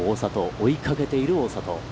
追いかけている大里。